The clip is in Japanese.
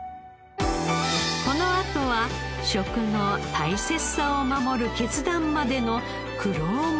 このあとは食の大切さを守る決断までの苦労物語。